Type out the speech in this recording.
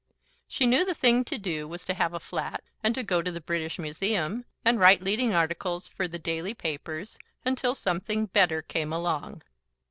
She knew the thing to do was to have a flat and to go to the British Museum and write leading articles for the daily papers until something better came along.